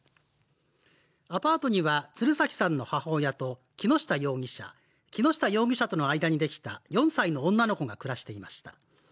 アパートには鶴崎さんの母親と木下容疑者、木下容疑者との間にできた４歳の女の子が暮らしていました。